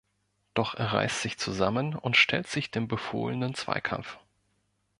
Doch er reißt sich zusammen und stellt sich dem befohlenen Zweikampf.